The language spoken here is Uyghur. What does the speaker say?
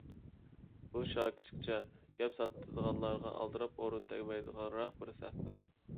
بۇ شاكىچىكچە گەپ ساتىدىغانلارغا ئالدىراپ ئورۇن تەگمەيدىغانراق بىر سەھىپە.